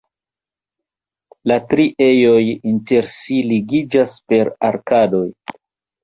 La tri ejoj inter si ligiĝas per arkadoj.